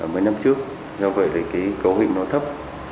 mấy năm trước do vậy cấu hình nó thấp